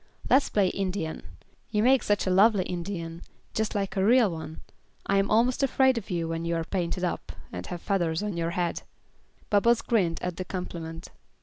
"Let's play Indian. You make such a lovely Indian, just like a real one. I am almost afraid of you when you are painted up, and have feathers in your head." Bubbles grinned at the compliment.